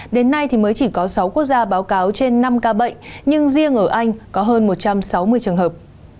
đến nay thì mới chỉ có sáu quốc gia báo cáo trên năm ca bệnh nhưng riêng ở anh có hơn một trăm sáu mươi trường hợp